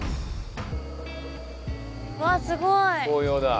わあすごい！